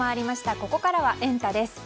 ここからはエンタ！です。